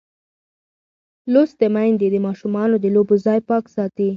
لوستې میندې د ماشومانو د لوبو ځای پاک ساتي.